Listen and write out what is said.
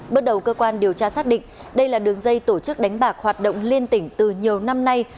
bước đầu cơ quan điều tra xác định đây là đường dây tổ chức đánh bạc hoạt động liên tỉnh từ nhiều năm nay